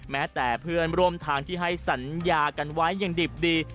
แม้แต่เพื่อนร่วมทางที่ให้สัญญากันไว้ยังดิบดี